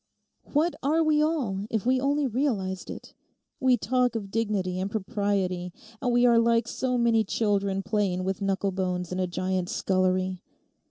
What are we all if we only realized it? We talk of dignity and propriety, and we are like so many children playing with knucklebones in a giant's scullery.